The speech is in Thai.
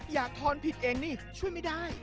ทอนผิดเองนี่ช่วยไม่ได้